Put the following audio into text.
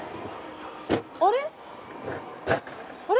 あれ？